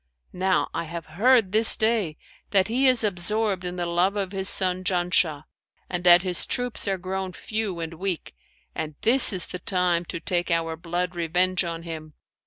Now I have heard this day that he is absorbed in the love of his son Janshah, and that his troops are grown few and weak; and this is the time to take our blood revenge on him.